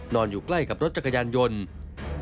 อยู่ใกล้กับรถจักรยานยนต์